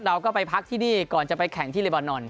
เราก็ไปพักที่นี่ก่อนจะไปแข่งที่เลบานอน